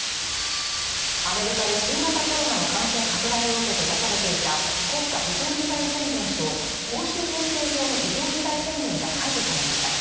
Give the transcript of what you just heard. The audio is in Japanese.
アメリカで新型コロナの感染拡大を受けて出されていた国家非常事態宣言と公衆衛生上の非常事態宣言が解除されました。